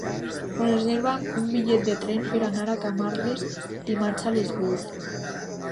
Reserva'm un bitllet de tren per anar a Camarles dimarts a les vuit.